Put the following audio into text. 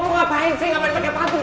ngapain sih gak boleh pake patung